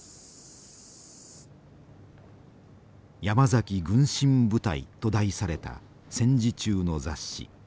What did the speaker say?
「山崎軍神部隊」と題された戦時中の雑誌。